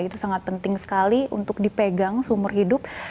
itu sangat penting sekali untuk dipegang seumur hidup